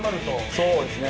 そうですね。